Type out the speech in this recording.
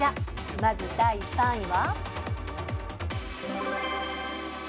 まず第３位は。